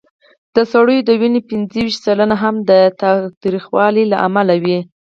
د سړو د مړینې پینځهویشت سلنه هم د تاوتریخوالي له امله وه.